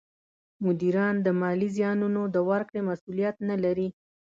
مدیران د مالي زیانونو د ورکړې مسولیت نه لري.